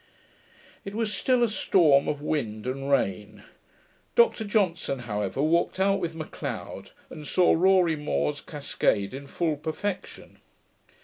It was still a storm of wind and rain. Dr Johnson however walked out with M'Leod, and saw Rorie More's cascade in full perfection.